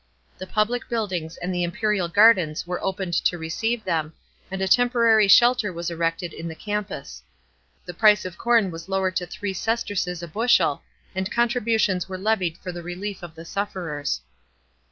The public buildings and the imperial gardens were opened to receive them, and a temporary shelter was erected in the Campus. The price of corn was lowere 1 to three sesterces a bushel, and contributions were levied for the relief of the sufferers.